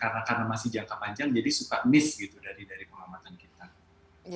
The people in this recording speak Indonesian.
karena masih jangka panjang jadi suka miss gitu dari pengamatan kita